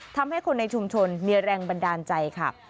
ทำให้คนในชุมชนมีแรงบันดาลใจค่ะ